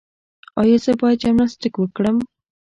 ایا زه باید جمناسټیک وکړم؟